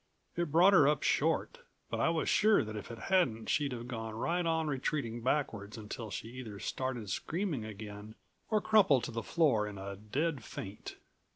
It brought her up short. But I was sure that if it hadn't she'd have gone right on retreating backwards until she either started screaming again or crumpled to the floor in a dead faint.